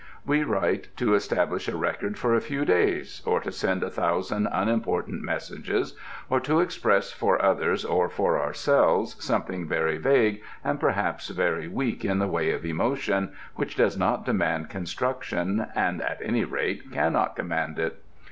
We write to establish a record for a few days: or to send a thousand unimportant messages: or to express for others or for ourselves something very vague and perhaps very weak in the way of emotion, which does not demand construction and at any rate cannot command it.